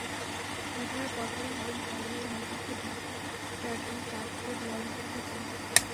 ঘটনার পরপরই হারুন পালিয়ে নৌপথে ঢাকায় যাওয়ার জন্য চাঁদপুর লঞ্চঘাটে যান।